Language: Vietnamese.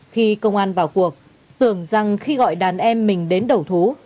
khi công an vào cuộc tưởng rằng khi gọi đàn em mình đến đầu thú